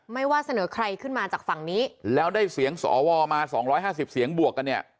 ว่าเสนอใครขึ้นมาจากฝั่งนี้แล้วได้เสียงสวมา๒๕๐เสียงบวกกันเนี่ย